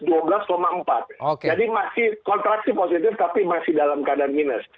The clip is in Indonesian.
jadi masih kontraksi positif tapi masih dalam keadaan minus